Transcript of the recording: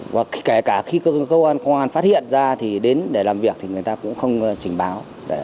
và kể cả khi cơ quan công an phát hiện ra thì đến để làm việc thì người ta cũng không trình báo